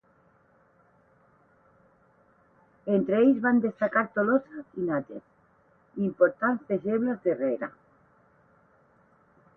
Entre ells van destacar Tolosa i Nates, importants deixebles d'Herrera.